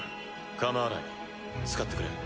かまわない使ってくれ。